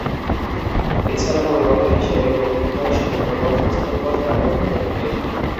এছাড়া পরিবহন হিসেবে ডোমিনিকায় সমুদ্র পথ ও স্থল পথ ব্যবহৃত হয়ে থাকে।